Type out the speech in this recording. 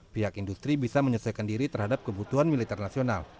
pihak industri bisa menyelesaikan diri terhadap kebutuhan militer nasional